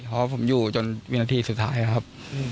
เพราะว่าผมอยู่จนวินาทีสุดท้ายครับ